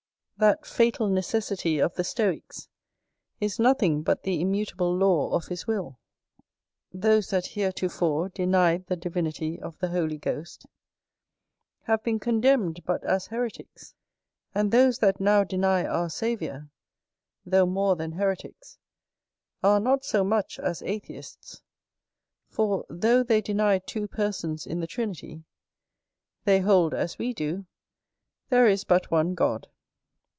That fatal necessity of the stoicks is nothing but the immutable law of his will. Those that heretofore denied the divinity of the Holy Ghost have been condemned but as hereticks; and those that now deny our Saviour, though more than hereticks, are not so much as atheists: for, though they deny two persons in the Trinity, they hold, as we do, there is but one God.